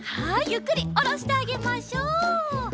ゆっくりおろしてあげましょう。